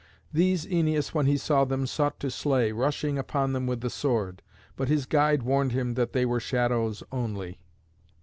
These Æneas, when he saw them, sought to slay, rushing upon them with the sword, but his guide warned him that they were shadows only.